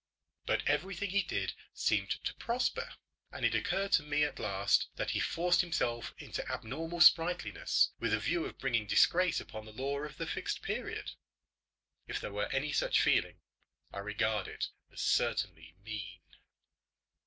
But everything he did seemed to prosper; and it occurred to me at last that he forced himself into abnormal sprightliness, with a view of bringing disgrace upon the law of the Fixed Period. If there were any such feeling, I regard it as certainly mean.